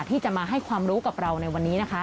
ที่จะมาให้ความรู้กับเราในวันนี้นะคะ